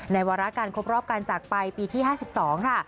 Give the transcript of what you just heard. ในวาราการครบรอบกาจากไปปีที่ห้าสิบสองค่ะ